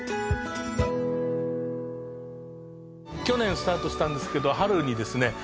去年スタートしたんですけど春にですね